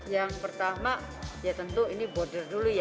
yang pertama ya tentu ini border dulu ya